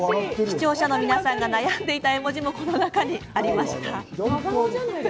視聴者の皆さんが悩んでいた絵文字も、この中に。